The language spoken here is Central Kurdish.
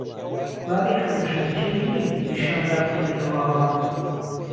بابی حهمهشهمچهی نیم ریشان داکوتم له واوان